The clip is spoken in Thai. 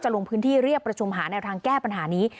ลงพื้นที่เรียกประชุมหาแนวทางแก้ปัญหานี้